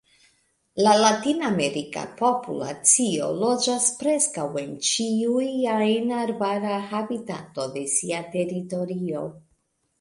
La latinamerika populacio loĝas preskaŭ en ĉiuj ajn arbara habitato de sia teritorio.